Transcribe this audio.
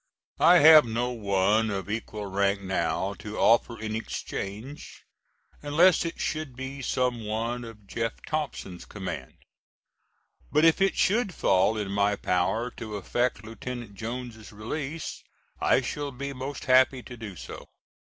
I have no one of equal rank now to offer in exchange, unless it should be some one of Jeff Thompson's command, but if it should fall in my power to effect Lieutenant Jones' release, I shall be most happy to do so.